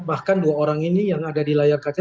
bahkan dua orang ini yang ada di layar kaca